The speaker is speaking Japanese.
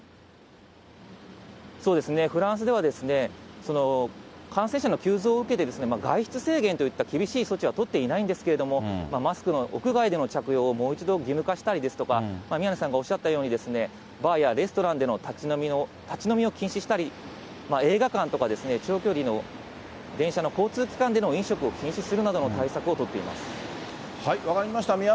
フランスでは、感染者の急増を受けて、外出制限といった厳しい措置は取っていないんですけれども、マスクの屋外での着用を、もう一度義務化したりですとか、宮根さんがおっしゃったように、バーやレストランでの立ち飲みを禁止したり、映画館とか、長距離の電車の、交通機関での飲食を禁止するなどの対策を取って分かりました。